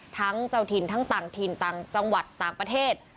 ทั้งเจ้าถิ่นทั้งต่างถิ่นต่างจังหวัดต่างประเทศ